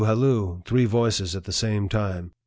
halloo!" (Three voices at the same time.)